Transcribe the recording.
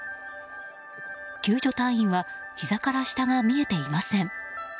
救助隊員はひざから下が見えていません。